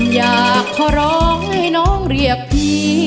อยากขอร้องให้น้องเรียกพี่